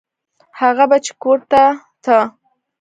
هغه به چې کور ته ته.